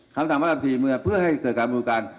คำสั่งประธานภาษาศิลป์เพื่อให้เกิดกันบุตรการ